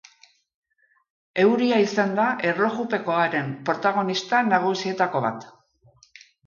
Euria izan da erlojupekoaren protagonista nagusietako bat.